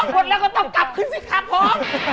หมดแล้วก็ต้องกลับขึ้นสิครับผม